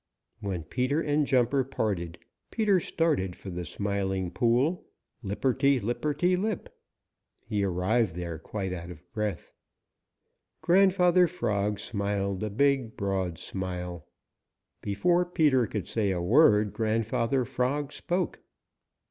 When Peter and Jumper parted, Peter started for the Smiling Pool, lip perty lipperty lip. He arrived there quite out of breath. Grandfather Frog smiled a big, broad smile. Before Peter could say a word Grandfather Frog spoke.